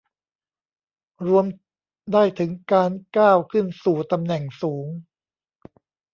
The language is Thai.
รวมได้ถึงการก้าวขึ้นสู่ตำแหน่งสูง